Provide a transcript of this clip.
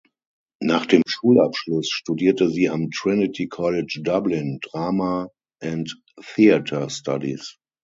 Nach dem Schulabschluss studierte sie am Trinity College Dublin "Drama and Theatre Studies".